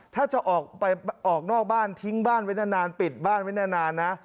ถ้าจะออกไปออกนอกบ้านทิ้งบ้านไว้นานปิดบ้านไว้นานนะ